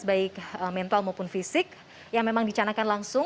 baik mental maupun fisik yang memang dicanakan langsung